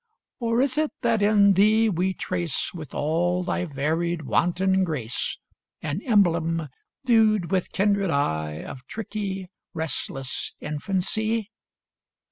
Or is it that in thee we trace, With all thy varied wanton grace, An emblem, viewed with kindred eye Of tricky, restless infancy?